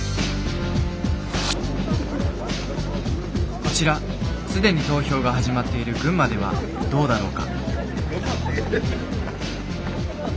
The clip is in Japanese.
こちら既に投票が始まっている群馬ではどうだろうか？